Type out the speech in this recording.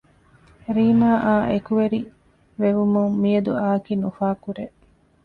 ރީމާ އާ އެކުވެރި ވެވުމުން މިއަދު އާކިން އުފާކުރޭ